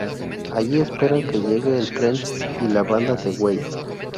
Allí esperan que llegue el tren y la banda de Wade.